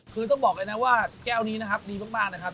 คือต้องบอกเลยนะว่าแก้วนี้นะครับดีมากนะครับ